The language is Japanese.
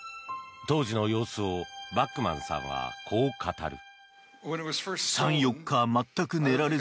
当時の様子をバックマンさんはこう語る。